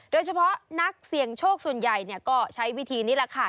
โดยเฉพาะนักเสี่ยงโชคส่วนใหญ่ก็ใช้วิธีนี้แหละค่ะ